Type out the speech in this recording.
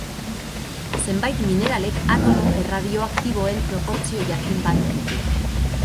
Zenbait mineralek atomo erradioaktiboen proportzio jakin bat dute.